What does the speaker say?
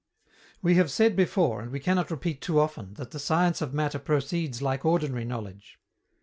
We have said before, and we cannot repeat too often, that the science of matter proceeds like ordinary knowledge.